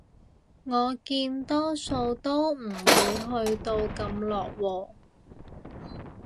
我見多數都唔會去到咁落喎